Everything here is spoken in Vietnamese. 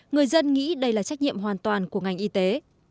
người dân nghĩ đây là trách nhiệm hoàn toàn của ngành y tế